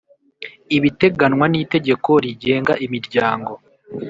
ibiteganwa n Itegeko rigenga imiryango